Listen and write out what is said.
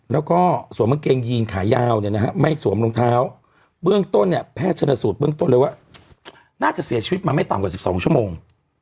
แล้วก็สวมกางเกงยีนขายาวเนี่ยนะฮะไม่สวมรองเท้าเบื้องต้นเนี่ยแพทย์ชนสูตรเบื้องต้นเลยว่าน่าจะเสียชีวิตมาไม่ต่ำกว่า๑๒ชั่วโมง